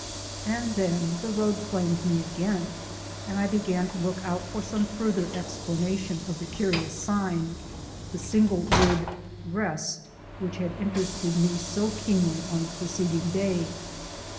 And then the road claimed me again, and I began to look out for some further explanation of the curious sign, the single word "Rest," which had interested me so keenly on the preceding day.